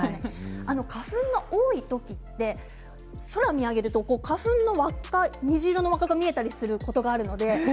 花粉は多い時は空を見上げると花粉の虹色の輪っかが見えたりすることがあります。